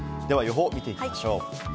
では予報、見ていきましょう。